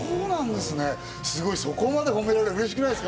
すごい、そこまで褒められてうれしくないですか？